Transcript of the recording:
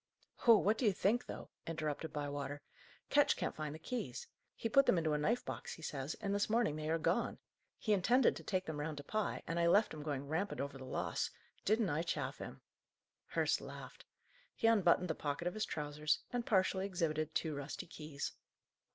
"Oh, what do you think, though!" interrupted Bywater. "Ketch can't find the keys. He put them into a knife box, he says, and this morning they are gone. He intended to take them round to Pye, and I left him going rampant over the loss. Didn't I chaff him?" Hurst laughed. He unbuttoned the pocket of his trousers, and partially exhibited two rusty keys.